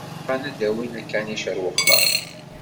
Bɣan ad d-awin aknic ar wexxam.